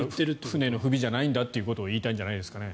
船の不備じゃないんだということを言いたいんじゃないですかね。